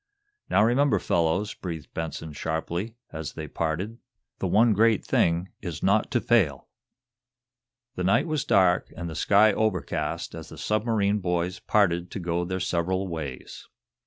"Now, remember, fellows," breathed Benson, sharply, as they parted, "the one great thing is not to fail!" The night was dark and the sky overcast as the submarine boys parted to go their several ways.